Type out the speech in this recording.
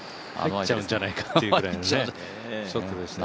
入っちゃうんじゃないかというショットでしたね。